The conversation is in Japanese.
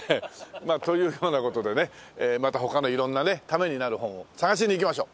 まあというような事でねまた他の色んなねためになる本を探しに行きましょう。